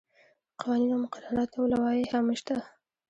قوانین او مقررات او لوایح هم شته.